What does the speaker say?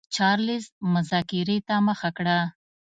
چارلېز مذاکرې ته مخه کړه.